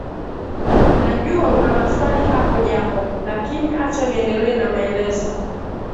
Najua una maswali hapo Jacob lakini acha niendelee na maelezo